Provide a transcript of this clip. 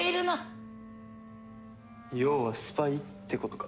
要はスパイってことか。